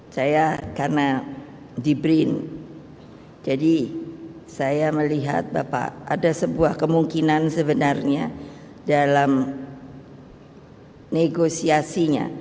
saya karena di brin jadi saya melihat bapak ada sebuah kemungkinan sebenarnya dalam negosiasinya